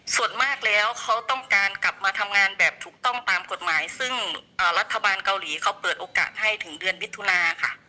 ส่วนมากแล้วเขาต้องการกลับมาทำงานแบบถูกต้องตามกฎหมายซึ่งรัฐบาลเกาหลีเขาเปิดโอกาสให้ถึงเดือนมิถุนาค่ะ